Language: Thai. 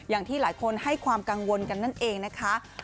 อย่างที่หลายคนให้ความกังวลกันนั่นเองนะคะ